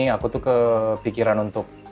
aku tuh kepikiran untuk